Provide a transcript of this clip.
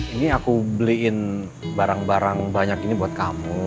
ini aku beliin barang barang banyak ini buat kamu